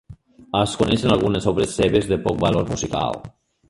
Es coneixen algunes obres seves de poc valor musical.